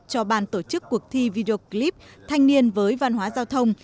cho ban tổ chức cuộc thi video clip thanh niên với văn hóa giao thông